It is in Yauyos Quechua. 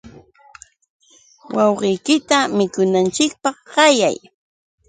Wawiykita mikunanchikpaq ayay.